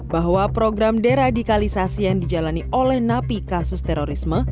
bahwa program deradikalisasi yang dijalani oleh napi kasus terorisme